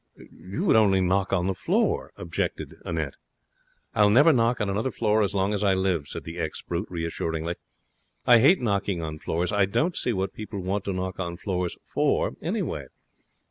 'You would only knock on the floor,' objected Annette. 'I'll never knock on another floor as long as I live,' said the ex brute, reassuringly. 'I hate knocking on floors. I don't see what people want to knock on floors for, anyway.'